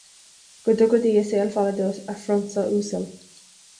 Go dtuga Dia saol fada duit, a Phrionsa uasail.